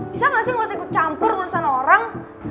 bisa gak sih gak usah ikut campur urusan orang